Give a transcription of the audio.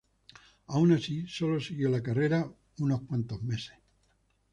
Aun así, sólo siguió la carrera para unos cuantos de meses.